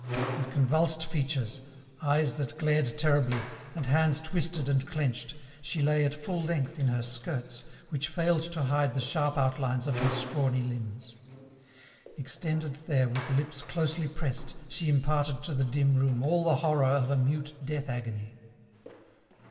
With convulsed features, eyes that glared terribly, and hands twisted and clenched, she lay at full length in her skirts, which failed to hide the sharp outlines of her scrawny limbs. Extended there with lips closely pressed she imparted to the dim room all the horror of a mute death agony.